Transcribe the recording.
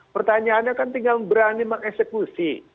pertanyaannya kan tinggal berani mengeksekusi